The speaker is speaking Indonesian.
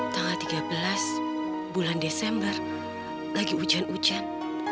tanggal tiga belas bulan desember lagi hujan hujan